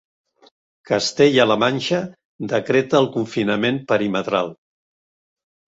Castella-La Manxa decreta el confinament perimetral.